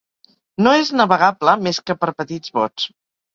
No és navegable més que per petits bots.